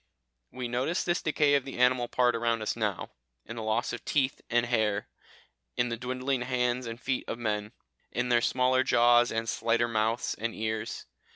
We notice this decay of the animal part around us now, in the loss of teeth and hair, in the dwindling hands and feet of men, in their smaller jaws, and slighter mouths and ears.